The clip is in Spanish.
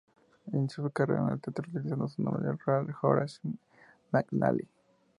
Inició su carrera en el teatro utilizando su nombre real Horace McNally.